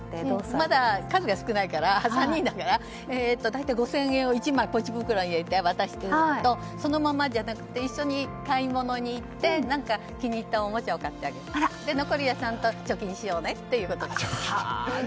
まだ数が少ないから３人だから、大体５０００円を１枚、ポチ袋に入れて渡すのとそのままじゃなくて一緒に買い物に行って何か気に入ったおもちゃを買ってあげて残りはちゃんと貯金しようねということで。